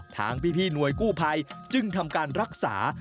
ทางพี่หน่วยกู้ภัยจึงทำการรักษา